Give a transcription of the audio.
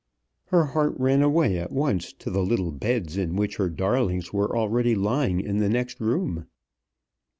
Her heart ran away at once to the little beds in which her darlings were already lying in the next room.